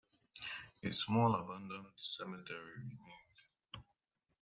A small abandoned cemetery remains.